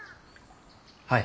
はい。